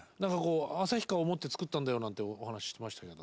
旭川を思って作ったんだよなんてお話をしてましたけど。